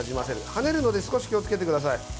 跳ねるので少し気をつけてください。